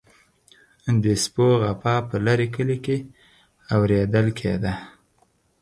د سپو غپا په لرې کلي کې اوریدل کیده.